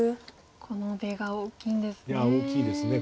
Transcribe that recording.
この出が大きいんですね。